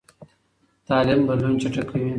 تعلیم بدلون چټکوي.